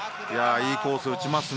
いいコースを打ちますね。